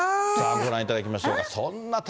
ご覧いただきましょう。